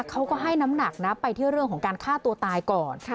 เขาก็ให้น้ำหนักนะไปที่เรื่องของการฆ่าตัวตายก่อน